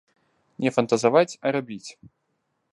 Не фантазаваць, а рабіць.